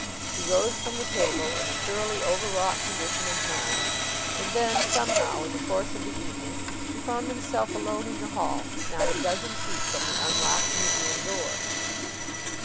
He rose from the table in a thoroughly overwrought condition of mind. And then, somehow, in the course of the evening, he found himself alone in the hall, not a dozen feet from the unlocked museum door.